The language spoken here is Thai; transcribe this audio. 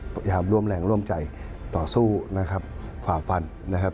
พยายามร่วมแรงร่วมใจต่อสู้นะครับฝ่าฟันนะครับ